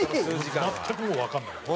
全くもうわかんないから。